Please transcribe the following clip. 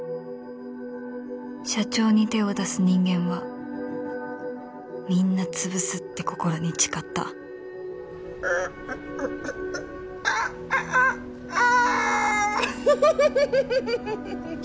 社長に手を出す人間はみんな潰すって心に誓ったフフフフフ！